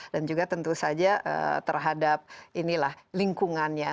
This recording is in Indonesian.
dan juga tentu saja terhadap inilah lingkungannya